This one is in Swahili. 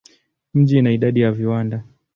Mji ina idadi ya viwanda.